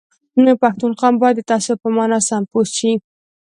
پښتون قوم باید د تعصب په مانا سم پوه شي